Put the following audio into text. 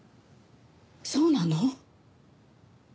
そうなの？